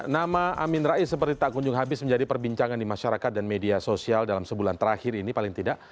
nama amin rais seperti tak kunjung habis menjadi perbincangan di masyarakat dan media sosial dalam sebulan terakhir ini paling tidak